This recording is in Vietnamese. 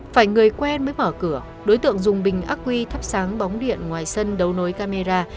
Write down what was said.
phải người quen mới mở cửa đối tượng dùng bình ác quy thắp sáng bóng điện ngoài sân đấu nối camera